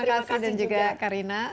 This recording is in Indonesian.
terima kasih dan juga karina